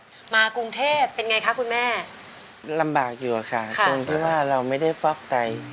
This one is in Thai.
มากรุงเทพเป็นไงคะคุณแม่ลำบากอยู่อะค่ะตรงที่ว่าเราไม่ได้ฟอกไต